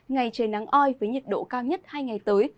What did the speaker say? ngày trời nắng oi với nhiệt độ cao nhất hai ngày tới